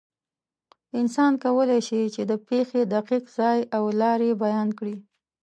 انسان کولی شي، چې د پېښې دقیق ځای او لارې بیان کړي.